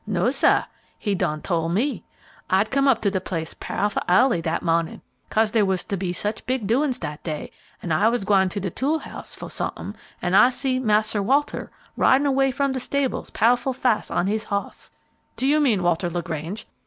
"No, sah; he done tole me; I'd come up to de place pow'ful ahly dat mawnin' 'case dere was to be such big doings dat day, an' I was gwine to de tool house foh sump'in, an' I see mars'r Walter ridin' away from de stables pow' ful fas' on his hoss " "Do you mean Walter LaGrange?"